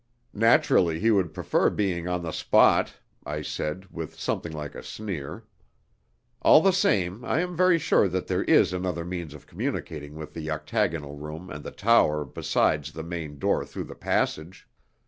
"Naturally he would prefer being on the spot," I said, with something like a sneer. "All the same, I am very sure that there is another means of communicating with the octagonal room and the tower besides the main door through the passage."